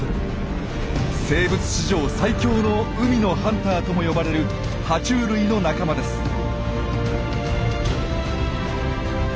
生物史上最強の海のハンターとも呼ばれるは虫類の仲間です。